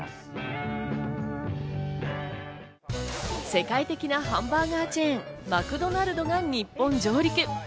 世界的なハンバーガーチェーン、マクドナルドが日本上陸。